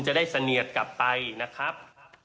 จะได้เสนียดกลับไปนะครับ